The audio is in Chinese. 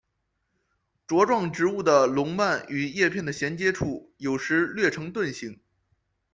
茁壮植株的笼蔓与叶片的衔接处有时略呈盾形。